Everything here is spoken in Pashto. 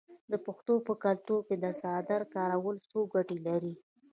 د پښتنو په کلتور کې د څادر کارول څو ګټې لري.